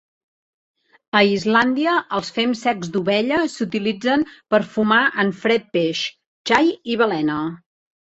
A Islàndia, els fems secs d'ovella s'utilitzen per fumar en fred peix, xai i balena.